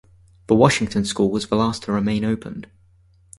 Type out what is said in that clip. The Washington School was the last to remain opened.